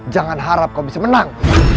jangan harap kau bisa menang